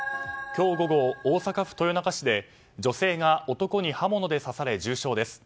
今日午後、大阪府豊中市で女性が男に刃物で刺され重傷です。